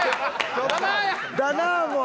「だなぁ」や！